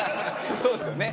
そうですよね。